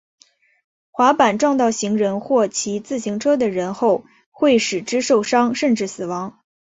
滑板撞到行人或骑自行车的人后会使之受伤甚至死亡。